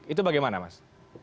itu bagaimana mas